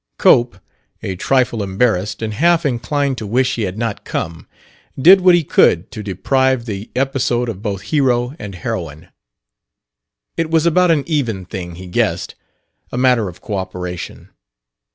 Cope, a trifle embarrassed, and half inclined to wish he had not come, did what he could to deprive the episode of both hero and heroine. It was about an even thing, he guessed, a matter of cooperation.